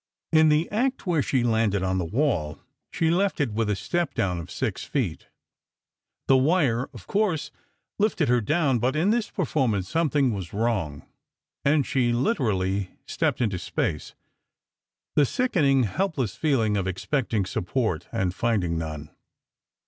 In the act where she landed on the wall, she left it with a step down of six feet. The wire, of course, lifted her down, but in this performance something was wrong, and she literally stepped into space. The sickening, helpless feeling of expecting support and finding none!